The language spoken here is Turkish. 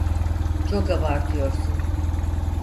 Çok abartıyorsun.